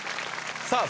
さあ